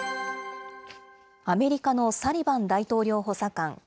アメリカのサリバン大統領補佐官。